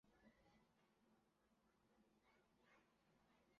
古城街道是中国北京市石景山区下辖的一个街道。